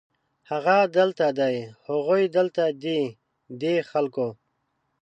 هغه دلته دی، هغوی دلته دي ، دې خلکو